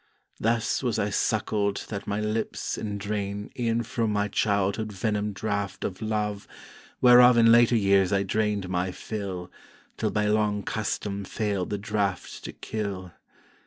Thus was I suckled that my lips indrain E'en fro' my childhood venom draught of Love, Whereof in later years I drained my fill, Till by long custom failed the draught to kill.